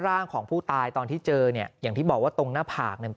ร่างของผู้ตายตอนที่เจอเนี่ยอย่างที่บอกว่าตรงหน้าผากเนี่ย